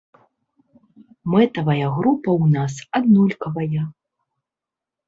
Мэтавая група ў нас аднолькавая.